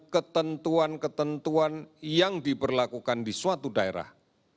ketentuan ketentuan yang diberlakukan di suatu daerah